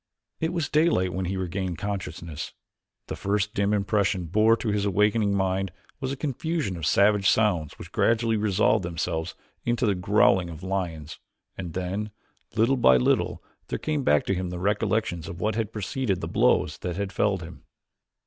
It was daylight when he regained consciousness. The first dim impression borne to his awakening mind was a confusion of savage sounds which gradually resolved themselves into the growling of lions, and then, little by little, there came back to him the recollections of what had preceded the blow that had felled him.